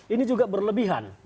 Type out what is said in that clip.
ini juga berlebihan